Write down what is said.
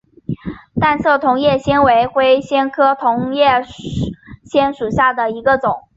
淡色同叶藓为灰藓科同叶藓属下的一个种。